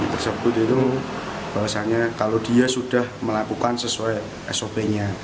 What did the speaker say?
tersebut itu bahwasannya kalau dia sudah melakukan sesuai sop nya